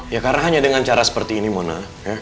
ya karena hanya dengan cara seperti ini mona